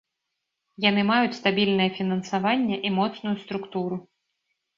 Яны маюць стабільнае фінансаванне і моцную структуру.